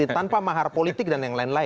tanpa mahar politik dan yang lain lain